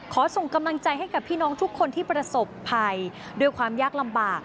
ส่งกำลังใจให้กับพี่น้องทุกคนที่ประสบภัยด้วยความยากลำบาก